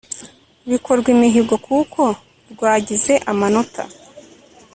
bikorwa imihigo kuko rwagize amanota